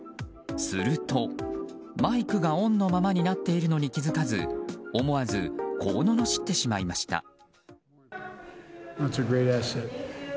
すると、マイクがオンのままになっているのに気付かず思わずこうののしってしまいました。